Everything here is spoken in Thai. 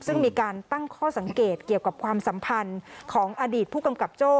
ซึ่งมีการตั้งข้อสังเกตเกี่ยวกับความสัมพันธ์ของอดีตผู้กำกับโจ้